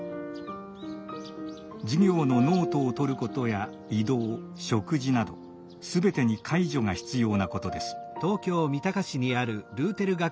授業のノートをとることや移動食事など全てに介助が必要なことです。